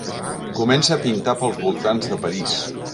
Comença a pintar pels voltants de París.